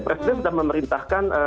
presiden sudah memerintahkan